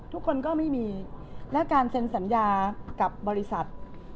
ทุกคนก็ไม่มีและการเซ็นสัญญากับบริษัท